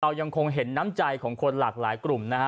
ยังคงเห็นน้ำใจของคนหลากหลายกลุ่มนะฮะ